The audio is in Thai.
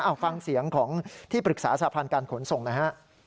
อ้าวฟังเสียงของที่ปรึกษาสะพานการขนส่งนะฮะ